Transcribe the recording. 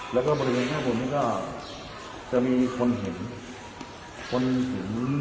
แล้วก็บริเวณข้างบนนี้ก็จะมีคนเห็นคนเห็น